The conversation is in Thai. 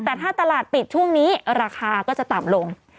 แต่ถ้าตลาดปิดช่วงนี้ราคาก็จะต่ำลง